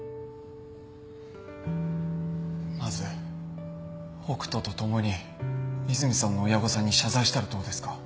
まず北都と共に和泉さんの親御さんに謝罪したらどうですか。